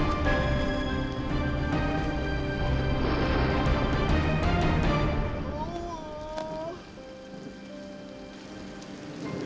kenapa saya jadi kejam begini